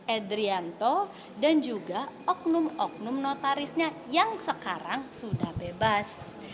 edrianto dan juga oknum oknum notarisnya yang sekarang sudah bebas